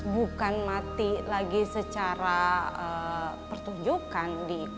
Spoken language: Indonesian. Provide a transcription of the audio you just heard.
bukan mati lagi secara pertunjukan